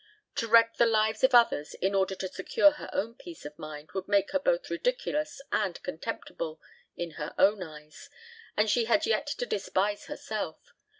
To wreck the lives of others in order to secure her own peace of mind would make her both ridiculous and contemptible in her own eyes, and she had yet to despise herself.